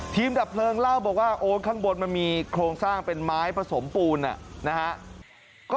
ทีมดับเพลิงเล่าบอกโอ๊ดข้างบนมีโครงสร้างเป็นไม้พระสมพูล